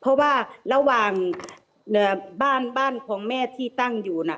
เพราะว่าระหว่างบ้านบ้านของแม่ที่ตั้งอยู่น่ะ